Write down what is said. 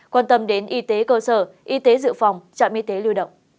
quan tâm đến y tế cơ sở y tế dự phòng trạm y tế lưu động